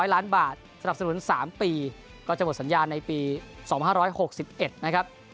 ล้านบาทสนับสนุน๓ปีก็จะหมดสัญญาในปี๒๕๖๑นะครับ